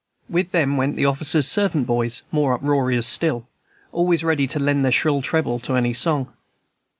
With them went the officers' servant boys, more uproarious still, always ready to lend their shrill treble to any song.